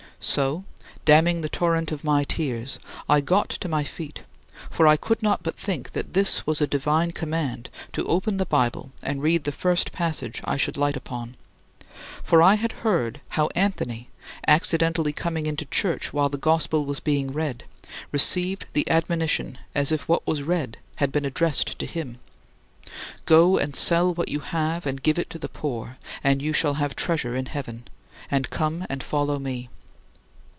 So, damming the torrent of my tears, I got to my feet, for I could not but think that this was a divine command to open the Bible and read the first passage I should light upon. For I had heard how Anthony, accidentally coming into church while the gospel was being read, received the admonition as if what was read had been addressed to him: "Go and sell what you have and give it to the poor, and you shall have treasure in heaven; and come and follow me."